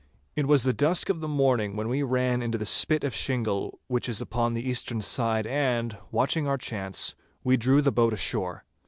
It was the dusk of the morning when we ran into the spit of shingle which is upon the eastern side and, watching our chance, we drew the boat ashore.